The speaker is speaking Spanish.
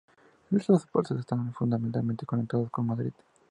Los transportes están fundamentalmente conectados con Madrid.